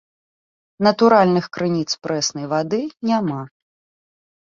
Натуральных крыніц прэснай вады няма.